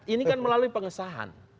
ini kan melalui pengesahan